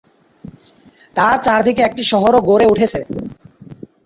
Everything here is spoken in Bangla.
তার চারদিকে একটি শহরও গড়ে উঠেছে।